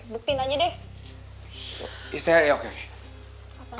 banyak ngomong deh bukti nanya deh bisa